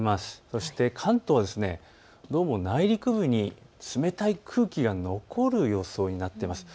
そして関東は内陸部に冷たい空気が残る予想になっています。